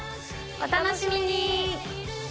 お楽しみに！